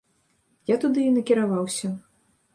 Я туды і накіраваўся.